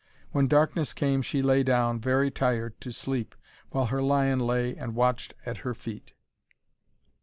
When darkness came she lay down, very tired, to sleep, while her lion lay and watched at her feet.